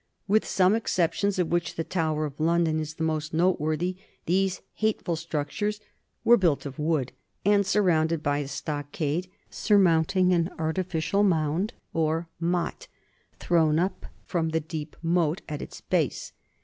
With some exceptions, of which the Tower of London is the most noteworthy, these 'hateful structures' were built of wood and surrounded by a stockade, surmounting an artificial mound, or motte, thrown up from the deep moat at its base.